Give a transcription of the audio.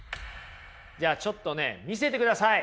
じゃあちょっとね見せてください。